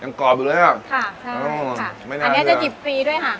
ยังกรอบอยู่เลยฮะค่ะใช่ค่ะอืมอันนี้จะหยิบปีด้วยค่ะ